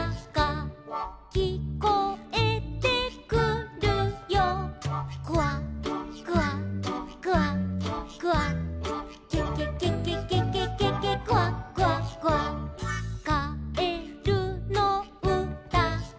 「きこえてくるよ」「クワクワクワクワ」「ケケケケケケケケクワクワクワ」「かえるのうたが」